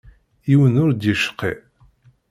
Yiwen ur d-yecqi.